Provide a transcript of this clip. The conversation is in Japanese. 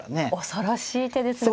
恐ろしい手ですね